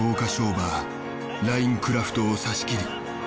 馬ラインクラフトを差し切り